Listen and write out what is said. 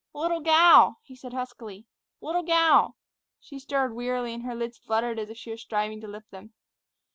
"Little gal!" he said huskily; "little gal!" She stirred wearily, and her lids fluttered as if she were striving to lift them.